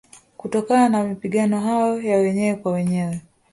Kutokana na Mapigano hayo ya wenyewe kwa wenyewe